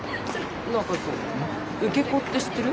受け子って知ってる？